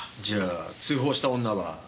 じゃあ通報した女は？